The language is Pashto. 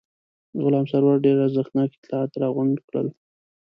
غلام سرور ډېر ارزښتناک اطلاعات راغونډ کړل.